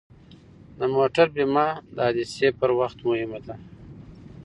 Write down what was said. د موټر بیمه د حادثې پر وخت مهمه ده.